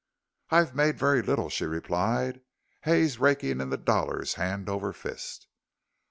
"I've made very little," she replied. "Hay's raking in the dollars hand over fist."